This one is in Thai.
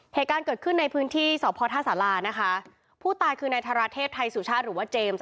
เหตุการณ์เกิดขึ้นในพื้นที่สพท่าสารานะคะผู้ตายคือนายธาราเทพไทยสุชาติหรือว่าเจมส์